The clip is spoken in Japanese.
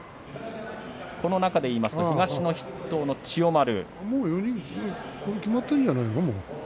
この中でいうと東の筆頭の千代丸。